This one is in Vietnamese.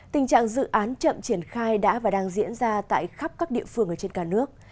tình trạng dự án chậm triển khai đã và đang diễn ra tại khắp các địa phương ở trên cả nước